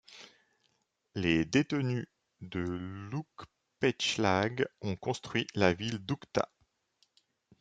Les détenus de l'Oukhtpetchlag ont construit la ville d'Oukhta.